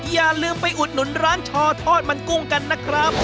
อย่าลืมไปอุดหนุนร้านชอทอดมันกุ้งกันนะครับ